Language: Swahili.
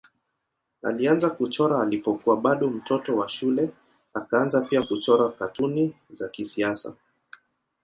Alianza kuchora alipokuwa bado mtoto wa shule akaanza pia kuchora katuni za kisiasa.